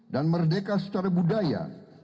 dan merdeka secara budaya